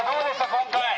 今回。